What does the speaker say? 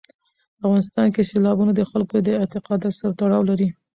په افغانستان کې سیلابونه د خلکو د اعتقاداتو سره تړاو لري.